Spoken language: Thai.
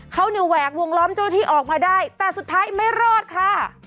เขาเนี่ยแหวกวงล้อมเจ้าที่ออกมาได้แต่สุดท้ายไม่รอดค่ะ